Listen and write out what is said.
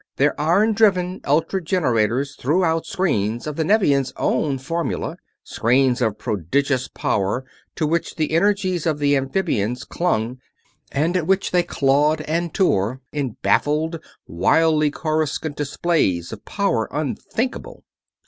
Their iron driven ultra generators threw out screens of the Nevians' own formulae, screens of prodigious power to which the energies of the amphibians clung and at which they clawed and tore in baffled, wildly coruscant displays of power unthinkable.